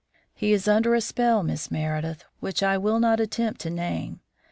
He is under a spell, Miss Meredith, which I will not attempt to name.